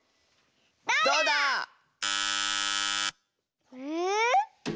どうだ⁉え。